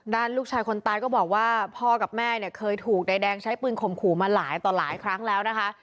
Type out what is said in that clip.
ลูกชายคนตายก็บอกว่าพ่อกับแม่เนี่ยเคยถูกนายแดงใช้ปืนข่มขู่มาหลายต่อหลายครั้งแล้วนะคะ